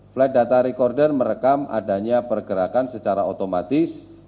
flight data recorder merekam adanya pergerakan secara otomatis